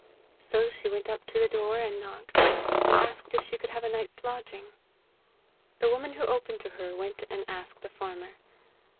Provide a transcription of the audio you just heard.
So she went up to the door and knocked, and asked if she could have a nights lodging. The woman who opened to her went and asked the farmer.